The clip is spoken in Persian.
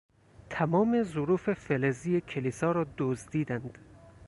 تمام ظروف فلزی کلیسا را دزدیدند.